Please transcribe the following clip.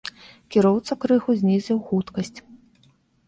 Кіроўца крыху знізіў хуткасць.